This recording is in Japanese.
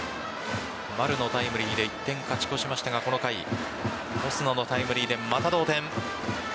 丸のタイムリーで１点勝ち越しましたがこの回オスナのタイムリーでまた同点。